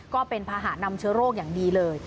ก็เป็นภาหะนำเชื้อโรคอย่างดีเลย